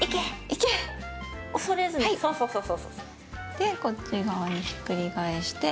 いけ！でこっち側にひっくり返して。